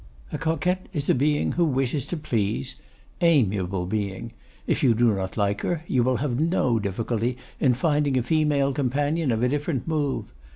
A coquette is a being who wishes to please. Amiable being! If you do not like her, you will have no difficulty in finding a female companion of a different mood.